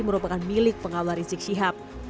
merupakan milik pengawal rizik syihab